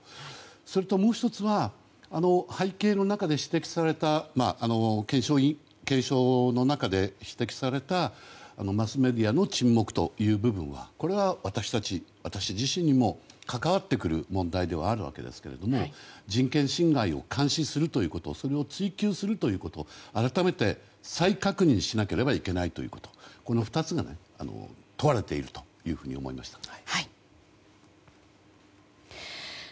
それと、もう１つは検証の中で指摘されたマスメディアの沈黙という部分はこれは私自身にも関わってくる問題ではあるわけですが人権侵害を監視するということそれを追及するということそれを改めて再確認しなければいけないということがこの２つが問われていると思いましたね。